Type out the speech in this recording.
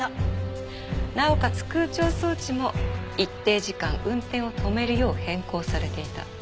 なおかつ空調装置も一定時間運転を止めるよう変更されていた。